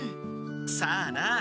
さあな。